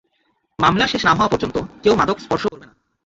মামলা শেষ না হওয়া পর্যন্ত কেউ মাদক স্পর্শ করবে না।